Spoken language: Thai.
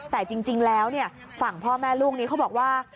แต่จริงแล้วฝั่งพ่อแม่ลูกนี้เขาบอกว่า